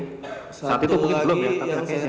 satu lagi yang saya tahu kawan dari korban yang bernama hanya